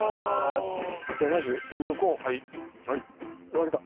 割れた。